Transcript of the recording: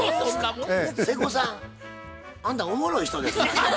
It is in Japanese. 瀬古さんあんたおもろい人ですな。